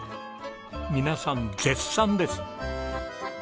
皆さん絶賛です。